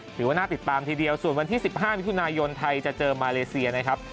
ถือว่าน่าติดตามทีเดียวส่วนวันที่๑๕มิถุนายนไทยจะเจอมาเลเซียนะครับ